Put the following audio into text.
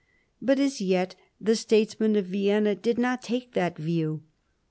But as yet the statesmen of Vienna did not take that view.